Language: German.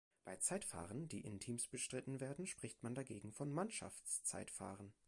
Bei Zeitfahren, die in Teams bestritten werden, spricht man dagegen von Mannschaftszeitfahren.